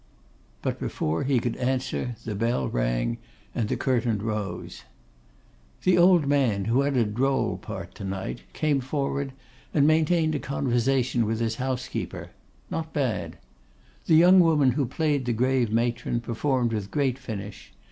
But before he could answer the bell rang, and the curtain rose. The old man, who had a droll part to night, came forward and maintained a conversation with his housekeeper; not bad. The young woman who played the grave matron performed with great finish.